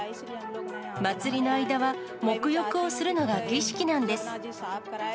祭りの間はもく浴をするのが儀式なんです。